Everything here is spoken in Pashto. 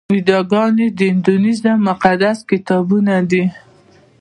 ویداګانې د هندویزم مقدس کتابونه دي.